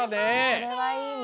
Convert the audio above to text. それはいいね。